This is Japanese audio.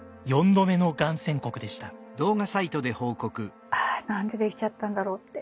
結果はあ何でできちゃったんだろうって。